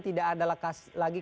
tidak ada lagi